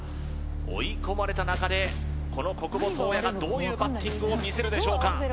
追い込まれた中でこの小久保颯弥がどういうバッティングを見せるでしょうか？